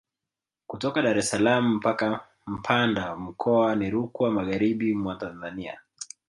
Kutoka Dar es salaam mpaka Mpanda mkoa ni Rukwa magharibi mwa Tanzania